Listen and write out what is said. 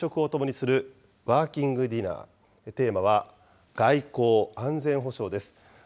その後は夕食を共にするワーキングディナー、テーマは外交・安全保障です。